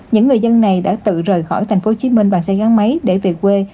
những người dân này đã tự rời khỏi thành phố hồ chí minh bằng xe gắn máy để về quê